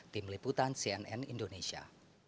tim liputan cnn indonesia